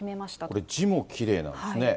これ字もきれいなんですね。